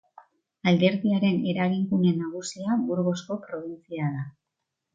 Alderdiaren eragin gune nagusia Burgosko probintzia da.